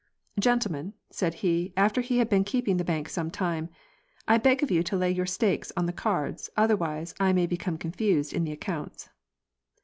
" Gentlemen," said he, after he had been keeping the bank some time, " I beg of you to lay your stakes on the cards, otherwise, I may become confused in the accounts."